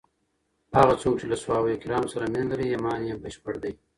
هغه څوک چې له صحابه کرامو سره مینه لري، ایمان یې بشپړ دی.